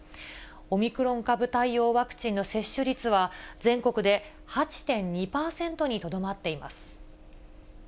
オミクロン株対応ワクチンの接種率は、全国で８．２％にとどまっています。